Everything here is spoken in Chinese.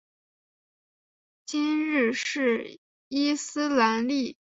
今日是伊斯兰历。